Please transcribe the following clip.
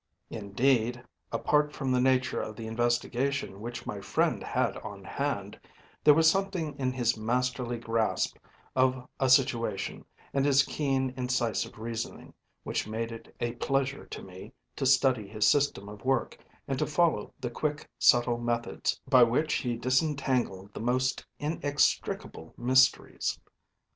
Indeed, apart from the nature of the investigation which my friend had on hand, there was something in his masterly grasp of a situation, and his keen, incisive reasoning, which made it a pleasure to me to study his system of work, and to follow the quick, subtle methods by which he disentangled the most inextricable mysteries.